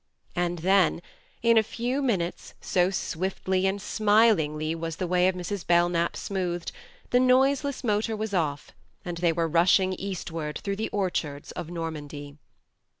And then in a few minutes, so swiftly and smilingly was the way of Mrs. Belknap smoothed the noiseless motor was off, and they were rushing eastward through the orchards of Normandy.